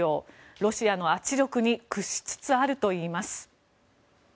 ロシアの圧力に屈しつつあるといいます。